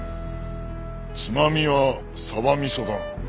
つまみはサバ味噌だな。